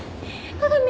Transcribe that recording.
加賀美。